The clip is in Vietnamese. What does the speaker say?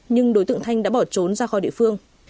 nhưng đối tượng thanh đã bỏ trốn ra khỏi địa phương